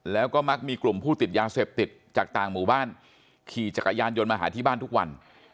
แล้วก็มักมีกลุ่มผู้ติดยาเสพติดจากต่างหมู่บ้านขี่จักรยานยนต์มาหาที่บ้านทุกวัน